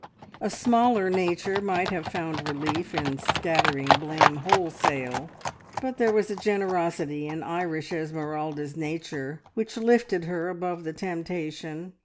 A smaller nature might have found relief in scattering blame wholesale, but there was a generosity in Irish Esmeralda's nature which lifted her above the temptation.